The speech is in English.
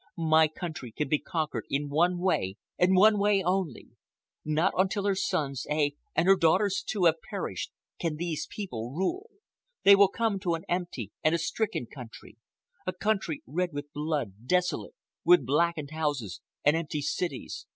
My country can be conquered in one way, and one way only,—not until her sons, ay, and her daughters too, have perished, can these people rule. They will come to an empty and a stricken country—a country red with blood, desolate, with blackened houses and empty cities.